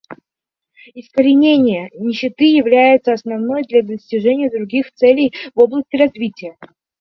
Искоренение нищеты является основой для достижения других целей в области развития.